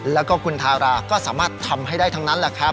แล้วก็คุณทาราก็สามารถทำให้ได้ทั้งนั้น